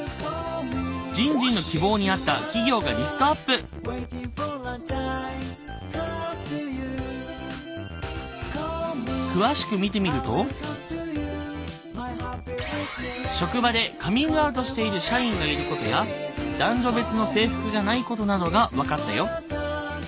じんじんの詳しく見てみると職場でカミングアウトしている社員がいることや男女別の制服がないことなどが分かったよ。